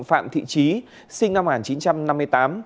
phạm thị trí sinh năm một nghìn chín trăm năm mươi tám